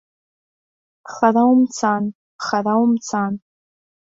Хара умцан, хара умцан!